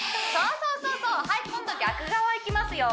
そうそうはい今度逆側いきますよ